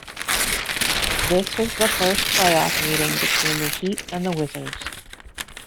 This was the first playoff meeting between the Heat and the Wizards.